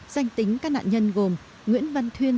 danh tính các nạn nhân gồm nguyễn văn thuyên